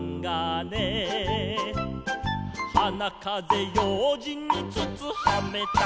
「はなかぜようじんにつつはめた」